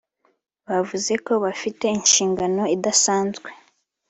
bivuze ko bafite inshingano idasanzwe